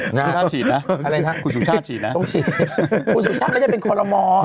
คนสุชาติฉีดนะคนสุชาติฉีดนะต้องฉีดคนสุชาติไม่ได้เป็นคอลโลมอร์